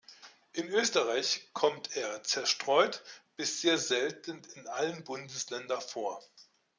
In Österreich kommt er zerstreut bis sehr selten in allen Bundesländern vor.